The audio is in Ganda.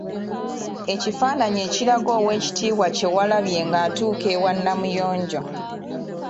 Ekifaananyi ekiraga Oweekitiibwa Kyewalabye nga atuuka ewa Namuyonjo.